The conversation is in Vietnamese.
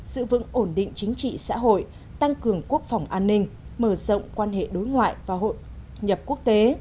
giữ vững ổn định chính trị xã hội tăng cường quốc phòng an ninh mở rộng quan hệ đối ngoại và hội nhập quốc tế